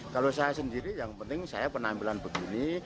kalau saya sendiri yang penting saya penampilan begini